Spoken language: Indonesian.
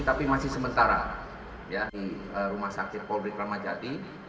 tapi masih sementara di rumah sakit polri kramajati